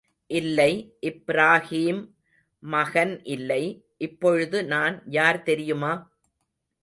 இல்லை இப்ராகீம் மகன் இல்லை, இப்பொழுது நான் யார் தெரியுமா?